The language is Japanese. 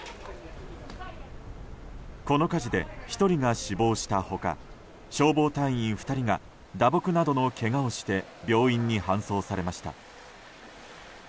この火事で１人が死亡した他消防隊員２人が打撲などのけがをして病院に搬送されました。